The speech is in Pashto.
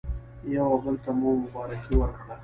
یو او بل ته مو مبارکي ورکړه.